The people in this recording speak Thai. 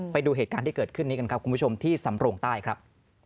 ไปดูเหตุการณ์ที่เกิดขึ้นนี้กันครับคุณผู้ชมที่สำโรงใต้ครับ